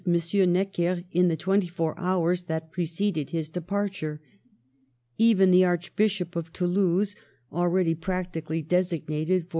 Necker in the twenty four hours that preceded his departure. Even the Archbishop of Toulouse, already practically designated for M.